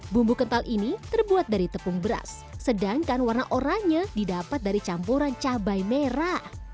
bumbu kental ini terbuat dari tepung beras sedangkan warna oranye didapat dari campuran cabai merah